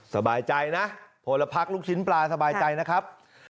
สบายใจนะพลพักลูกชิ้นปลาสบายใจนะครับ